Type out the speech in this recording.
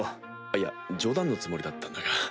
いや冗談のつもりだったんだが。